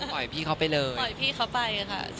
พี่เขาไปเลยปล่อยพี่เขาไปค่ะ